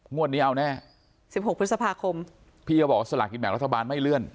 งวดนี้เอาแน่สิบหกพฤษภาคมพี่ก็บอกว่าสลากกินแบ่งรัฐบาลไม่เลื่อน